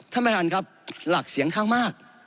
ท่านประธานครับหลักเสียงข้างมาก